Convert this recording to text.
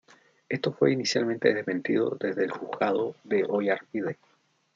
Esto fue, inicialmente, desmentido desde el juzgado de Oyarbide.